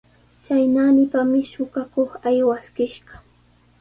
Chay naanipami suqakuq aywaskishqa.